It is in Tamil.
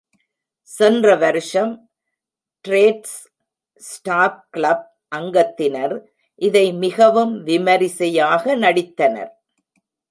சென்ற வருஷம் ட்ரேட்ஸ் ஸ்டாப் கிளப் அங்கத்தினர் இதை மிகவும் விமரிசையாக நடித்தனர்.